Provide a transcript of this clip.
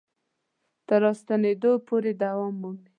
تر راستنېدو پورې دوام مومي.